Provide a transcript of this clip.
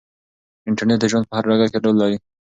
انټرنیټ د ژوند په هر ډګر کې رول لري.